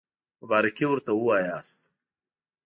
مبارکي ورته ووایاست.